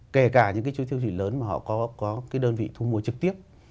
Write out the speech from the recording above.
kể cả những cái chuỗi siêu thị lớn mà họ có cái đơn vị thu mua trực tiếp